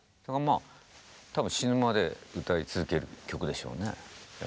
多分死ぬまで歌い続ける曲でしょうね。